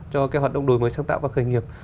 cho cái hoạt động đổi mới sáng tạo và khởi nghiệp